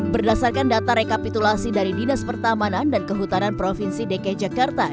berdasarkan data rekapitulasi dari dinas pertamanan dan kehutanan provinsi dki jakarta